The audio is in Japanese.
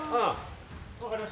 分かりました。